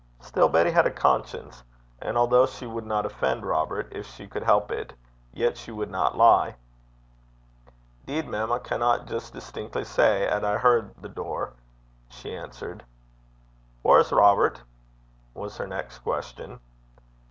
Still Betty had a conscience, and although she would not offend Robert if she could help it, yet she would not lie. ''Deed, mem, I canna jist distinckly say 'at I heard the door,' she answered. 'Whaur's Robert?' was her next question.